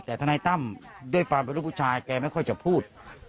แต่ทนายตั้มด้วยความเป็นลูกผู้ชายแกไม่ค่อยจะพูด